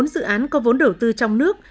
một mươi bốn dự án có vốn đầu tư trong nước